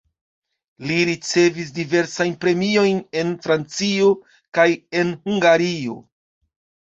Li ricevis diversajn premiojn en Francio kaj en Hungario.